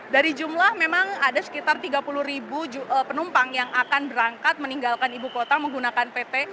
dari jumlah memang ada sekitar tiga puluh ribu penumpang yang akan berangkat meninggalkan ibu kota menggunakan pt